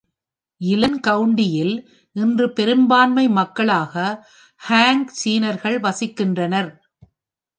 யிலன் கவுண்டியில் இன்று பெரும்பான்மை மக்களாக ஹான் சீனர்கள் வசிக்கின்றனர்.